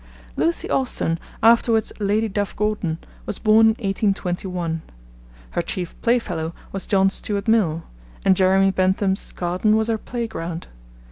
Lucie Austin, afterwards Lady Duff Gordon, was born in 1821. Her chief playfellow was John Stuart Mill, and Jeremy Bentham's garden was her playground.